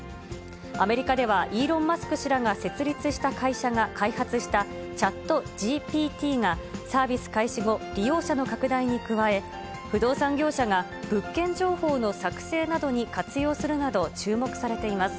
アメリカでは、イーロン・マスク氏らが設立した会社が開発したチャットＧＰＴが、サービス開始後、利用者の拡大に加え、不動産業者が物件情報の作成などに活用するなど、注目されています。